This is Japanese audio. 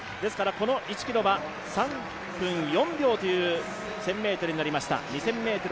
この１ｋｍは３分４秒という１０００ｍになりました。